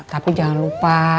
tapi jangan lupa